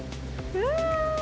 うわ。